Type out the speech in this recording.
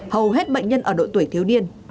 hầu hết bệnh nhân ở độ tuổi thiếu nhiễm